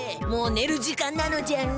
もうねる時間なのじゃ。